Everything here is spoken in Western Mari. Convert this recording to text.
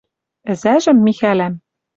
Ӹзӓжӹм, Михӓлӓм